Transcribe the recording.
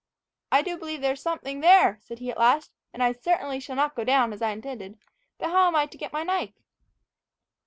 "I do believe there is something there," said he at last, "and I certainly shall not go down, as I intended. But how am I to get my knife?"